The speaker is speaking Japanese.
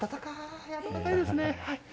温かいですね。